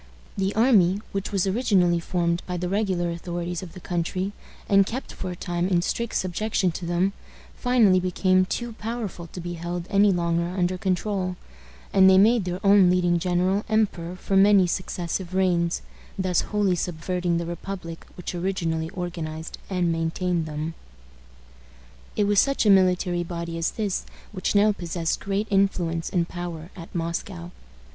The army, which was originally formed by the regular authorities of the country, and kept for a time in strict subjection to them, finally became too powerful to be held any longer under control, and they made their own leading general emperor for many successive reigns, thus wholly subverting the republic which originally organized and maintained them. It was such a military body as this which now possessed great influence and power at Moscow.